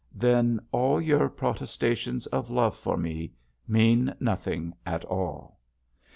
"Then all your protestations of love for me mean nothing at all!"